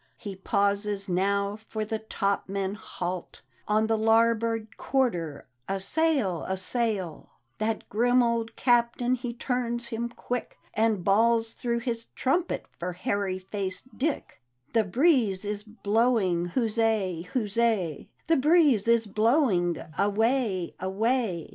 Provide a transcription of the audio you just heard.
He pauses now, for the topmen halt —" On the larboard quarter a sail! a sail! " That grim old Captain he turns him quick. And bawls through his trumpet for Hairy faced Dick. "The breeze is blowing — huzzal huzza! The breeze is blowing — away ! away!